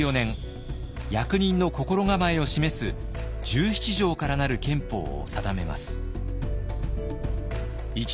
役人の心構えを示す１７条から成る憲法を定めます。